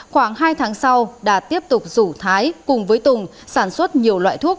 khoảng hai tháng sau đạt tiếp tục rủ thái cùng với tùng sản xuất nhiều loại thuốc